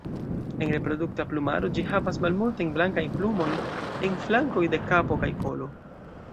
En reprodukta plumaro ĝi havas malmultajn blankajn plumojn en flankoj de kapo kaj kolo.